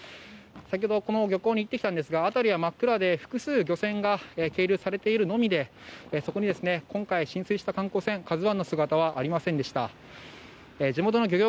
先ほど、この漁港に行ってきたんですが辺りは真っ暗で複数の漁船が係留されているのみでそこに今回浸水した観光船「ＫＡＺＵ１」の姿はありませんでした。